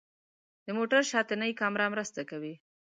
د موټر شاتنۍ کامره مرسته کوي.